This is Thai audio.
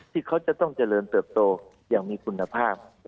ที่เขาจะต้องเจริญเติบโตอย่างมีคุณภาพ